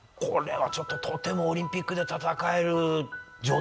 これはちょっととてもオリンピックで。